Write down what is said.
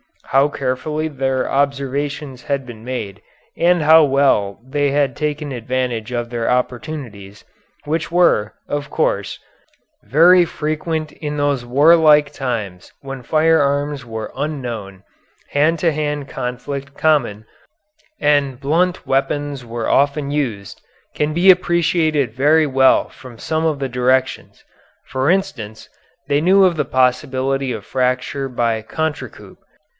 How carefully their observations had been made and how well they had taken advantage of their opportunities, which were, of course, very frequent in those warlike times when firearms were unknown, hand to hand conflict common, and blunt weapons were often used, can be appreciated very well from some of the directions. For instance, they knew of the possibility of fracture by contrecoup.